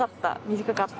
短かった？